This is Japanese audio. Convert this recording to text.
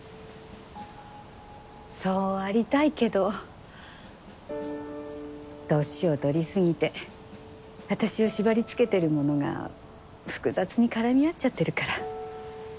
そうありたいけど年を取りすぎて私を縛り付けてるものが複雑に絡み合っちゃってるから。